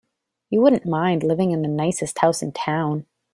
You wouldn't mind living in the nicest house in town.